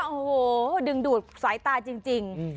โอ้โหดึงดูดสายตาจริง